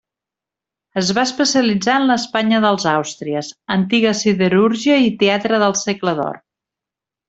Es va especialitzar en l'Espanya dels Àustries, antiga siderúrgia i teatre del segle d'Or.